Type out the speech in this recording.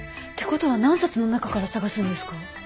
てことは何冊の中から探すんですか？